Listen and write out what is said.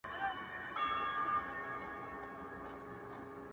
چي دې سترگو زما و زړه ته کړی پول دی _